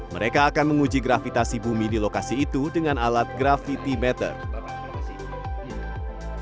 mereka akan menguji gravitasi bumi di lokasi itu dengan alat gravity matter